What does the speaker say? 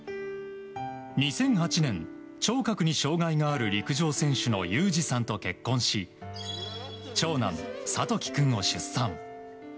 ２００８年聴覚に障害がある陸上選手の裕士さんと結婚し長男・諭樹君を出産。